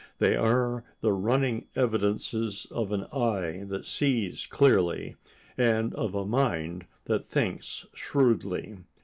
They are the running evidences of an eye that sees clearly and of a mind that thinks shrewdly.